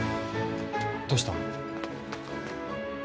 どうしたの？